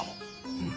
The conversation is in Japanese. うん。